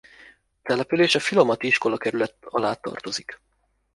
A település a Philomath-i Iskolakerület alá tartozik.